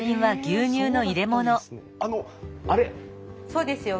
そうですよ